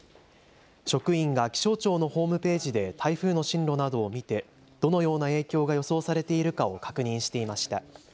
職員が気象庁のホームページで台風の進路などを見てどのような影響が予想されているかを確認していました。